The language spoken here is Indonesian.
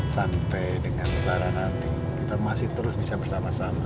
sampai dengan lebaran nanti kita masih terus bisa bersama sama